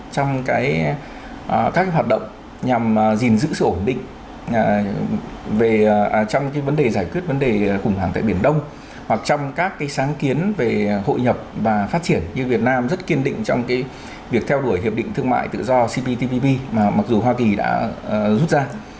trong các hoạt động nhằm gìn giữ sự ổn định trong vấn đề giải quyết vấn đề khủng hoảng tại biển đông hoặc trong các sáng kiến về hội nhập và phát triển như việt nam rất kiên định trong việc theo đuổi hiệp định thương mại tự do cptpp mà mặc dù hoa kỳ đã rút ra